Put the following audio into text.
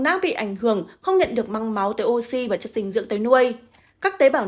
não bị ảnh hưởng không nhận được măng máu tới oxy và chất dinh dưỡng tới nuôi các tế bào